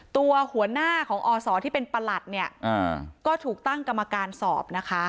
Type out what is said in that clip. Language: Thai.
ตัวหัวหน้าของอศที่เป็นประหลัดเนี่ยก็ถูกตั้งกรรมการสอบนะคะ